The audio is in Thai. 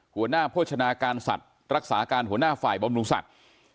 หัวหน้าโภชนาการสัตว์รักษาการหัวหน้าฝ่ายบำรุงสัตว์